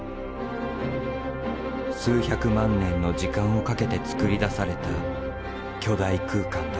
数百万年の時間をかけてつくり出された巨大空間だ。